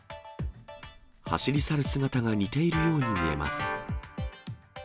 走り去る姿が似ているように見えます。